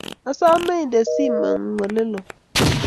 asome inde simengung' ole loo